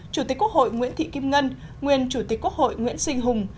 chủ tịch quốc hội nguyễn thị kim ngân nguyên chủ tịch quốc hội nguyễn sinh hùng